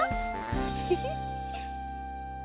フフフッ。